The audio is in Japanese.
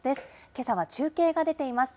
けさは中継が出ています。